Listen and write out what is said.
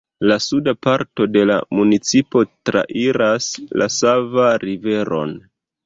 La suda parto de la municipo trairas la Sava Riveron.